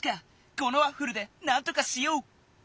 このワッフルでなんとかしよう！